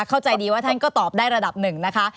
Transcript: เข้าใจดีว่าท่านก็ตอบได้ระดับหนึ่งนะคะ